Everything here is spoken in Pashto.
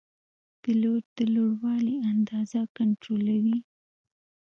پیلوټ د لوړوالي اندازه کنټرولوي.